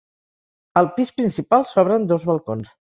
Al pis principal s'obren dos balcons.